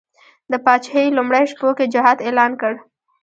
د پاچهي لومړیو شپو کې جهاد اعلان کړ.